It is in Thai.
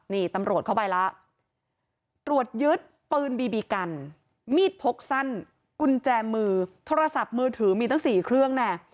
นี่ตำรวจเข้าไปแล้วตรวจยึดปืนบีบีกันมีดพกสั้นกุญแจมือโทรศัพท์มือถือมีตั้ง๔เครื่องแน่